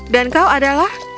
dan kau adalah